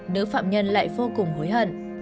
nữ phạm nhân lại vô cùng hối hận